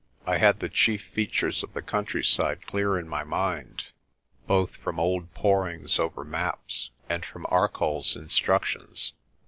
I had the chief features of the countryside clear in my mind, both from old porings over maps, and from Arcoll's instructions.